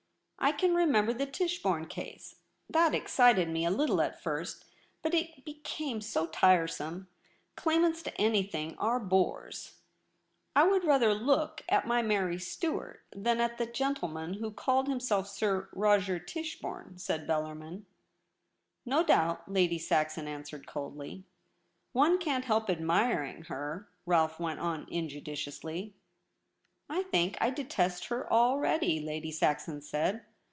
I can re member the Tichborne case ; that excited me a little at first, but it became so tiresome. Claimants to anything are bores.' ' I would rather look at my Mary Stuart IN THE LOBBY 27 than at the gentleman who called himself Sir Roger Tichborne,' said Bellarmin. ' No doubt/ Lady Saxon answered coldly. ' One can't help admiring her,' Rolfe went on injudiciously. ' I think I detest her already,' Lady Saxon said.